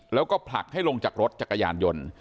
แล้วก็ผลักให้ลงจากรถจักรยานยนต์